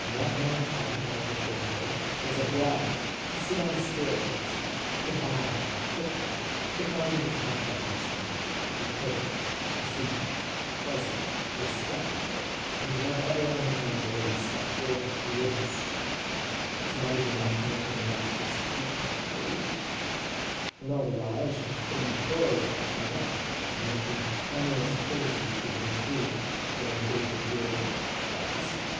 And that man of talent, Barkilphedro, was obliged to stand on staircases, to bow to footmen, to climb to the top of the house at night, to be courteous, assiduous, pleasant, respectful, and to have ever on his muzzle a respectful grimace! Was not it enough to make him gnash his teeth with rage! And all the while she was putting pearls round her neck, and making amorous poses to her fool, Lord David Dirry Moir; the hussy!